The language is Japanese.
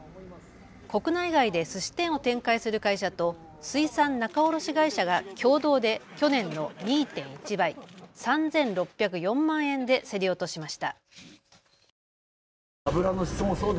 国内外ですし店を展開する会社と水産仲卸会社が共同で去年の２．１倍、３６０４万円で競り落としました。